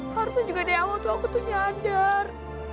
harusnya juga dari awal tuh aku tuh nyadar